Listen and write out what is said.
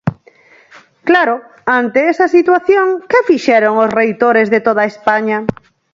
Claro, ante esa situación, ¿que fixeron os reitores de toda España?